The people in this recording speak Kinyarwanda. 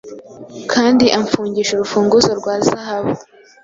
Kandi amfungisha urufunguzo rwa zahabu.